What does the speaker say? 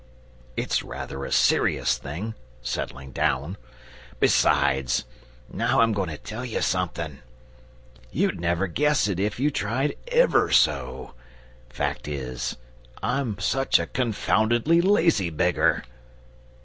It's rather a serious thing, settling down. Besides now I'm going to tell you something! You'd never guess it if you tried ever so! fact is, I'm such a confoundedly lazy beggar!"